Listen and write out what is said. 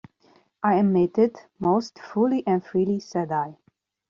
"I admit it most fully and freely," said I.